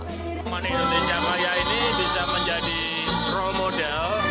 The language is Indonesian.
taman indonesia kaya ini bisa menjadi role model